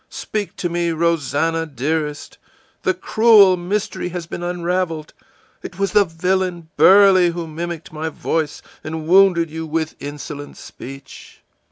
Speak to me, Rosannah, dearest! The cruel mystery has been unraveled; it was the villain Burley who mimicked my voice and wounded you with insolent speech!